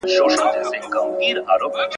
پر دنیا باندي اسمان به رانړیږي !.